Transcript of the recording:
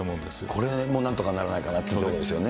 これ、なんとかならないかなっていうところですね。